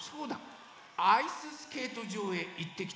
アイススケートじょうへいってきたんでござんすよ。